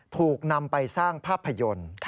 ถูกนำไปสร้างภาพยนตร์